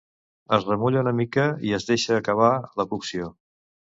es remulla una mica i es deixa acabar la cocció